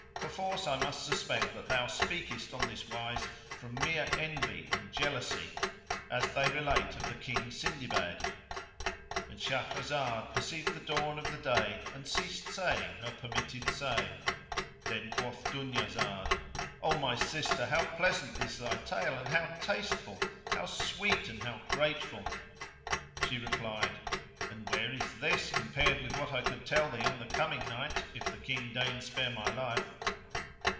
Perforce I must suspect that thou speakest on this wise from mere envy and jealousy as they relate of the King Sindibad."—And Shahrazad perceived the dawn of day, and ceased saying her permitted say. Then quoth Dunyazad, "O my sister, how pleasant is thy tale, and how tasteful, how sweet, and how grateful!" She replied, "And where is this compared with what I could tell thee on the coming night if the King deign spare my life?"